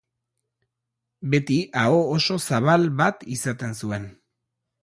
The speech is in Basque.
Beti, aho oso zabal bat izaten zuen.